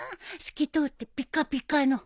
透き通ってピカピカの。